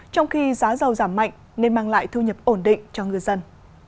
trong khi giá dầu giảm mạnh nên mang lại thu nhập ổn định cho ngư dân